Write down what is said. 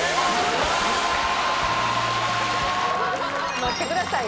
待ってくださいよ。